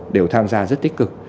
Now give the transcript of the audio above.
đều tham gia rất tích cực